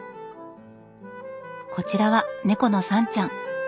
こちらは猫のサンちゃん。